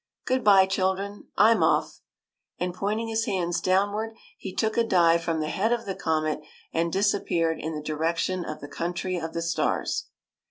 Good bye, children ; I 'm off !" And pointing his hands downward, he took a dive from the head of the comet and disappeared in the direction of the country of the stars.